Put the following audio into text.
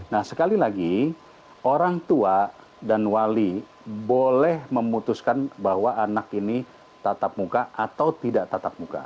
nah sekali lagi orang tua dan wali boleh memutuskan bahwa anak ini tatap muka atau tidak tatap muka